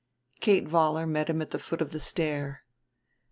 Kate Vollar met him at the foot of the stair.